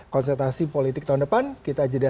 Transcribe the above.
konsultasi politik tahun depan kita